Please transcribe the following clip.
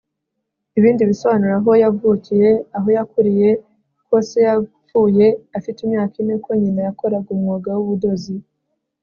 ibindi bisobanuro aho yavukiye, aho yakuriye, ko se yapfuye afite imyaka ine, ko nyina yakoraga umwuga w'ubudozi